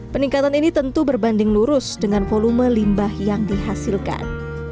peningkatan ini tentu berbanding lurus dengan volume limbah yang dihasilkan